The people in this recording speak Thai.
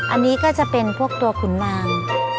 อันนี้ก็จะเป็นพวกตัวขุนนาง